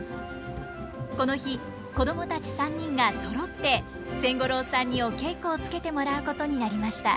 この日子供たち３人がそろって千五郎さんにお稽古をつけてもらうことになりました。